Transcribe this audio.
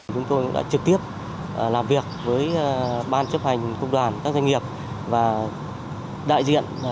chúng tôi đã trực tiếp làm việc với ban chấp hành công đoàn các doanh nghiệp và đại diện